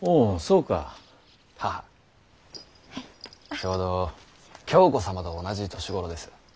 ちょうど鏡子様と同じ年頃です。